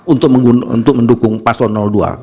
untuk mendukung paslon dua